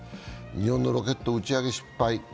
日本のロケット打ち上げ失敗